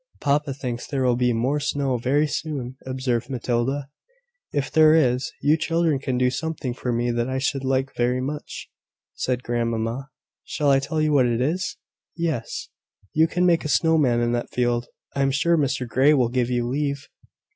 "Papa thinks there will be more snow very soon," observed Matilda. "If there is, you children can do something for me that I should like very much," said grandmamma. "Shall I tell you what it is?" "Yes." "You can make a snow man in that field. I am sure Mr Grey will give you leave."